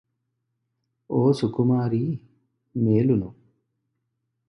ఓ సుకుమారీ! మేలును